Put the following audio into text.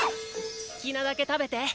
好きなだけ食べて。